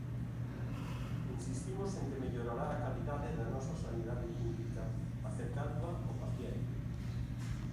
Insistimos en que mellorará a calidade da nosa sanidade pública, acercándoa ao paciente.